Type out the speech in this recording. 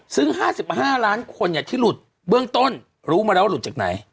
ซึ่ง๕๕ล้านคนที่หลุดเบื้องต้นรู้มาแล้วหลุดจากไหน